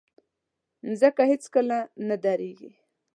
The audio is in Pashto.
مځکه هیڅکله نه دریږي.